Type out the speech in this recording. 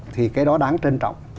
thì cái đó đáng trân trọng